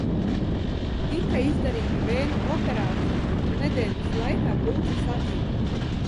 Tika izdarīta vēnu operācija, un nedēļas laikā brūce sadzija.